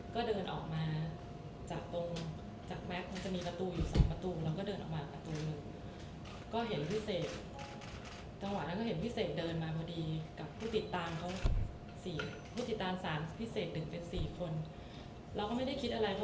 ก็เข้าไปถึงประมาณเกือบ๕ทุน